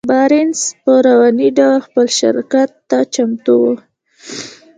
بارنس په رواني ډول خپل شراکت ته چمتو و.